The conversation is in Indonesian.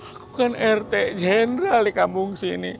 aku kan rt general di kampung sini